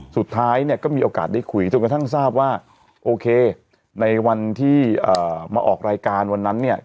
สุดท้ายเนี่ยก็มีโอกาสได้คุยจนกระทั่งทราบว่าโอเคในวันที่มาออกรายการวันนั้นเนี่ย